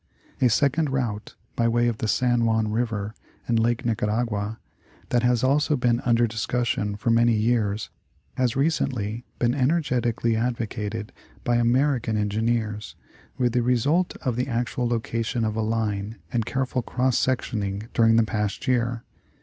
A second route by way of the San Juan River and Lake Nicaragua, that has also been under discussion for many years, has recently been energetically advocated by American engineers, with the result of the actual location of a line and careful cross section ing during the past year.